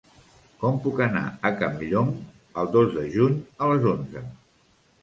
Com puc anar a Campllong el dos de juny a les onze?